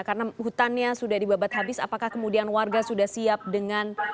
karena hutannya sudah dibabat habis apakah kemudian warga sudah siap dengan